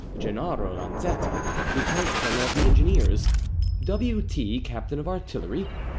Gennaro Lanzetta, lieutenant colonel of the Engineers. W. T. captain of Artillery.